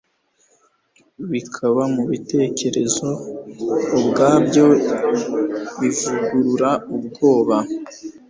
Bikaba mubitekerezo ubwabyo bivugurura ubwoba